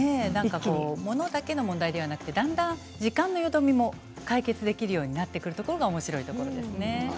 ものだけの問題じゃなくてだんだん時間のよどみも解決できるようになってくるのがおもしろいところですね。